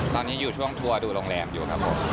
ตอนนี้อยู่ช่วงทัวร์ดูโรงแรมอยู่ครับผม